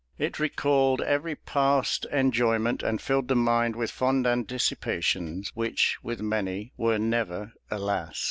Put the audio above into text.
It recalled every past enjoyment, and filled the mind with fond anticipations which, with many, were never, alas!